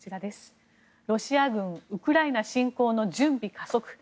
ロシア軍ウクライナ侵攻の準備加速。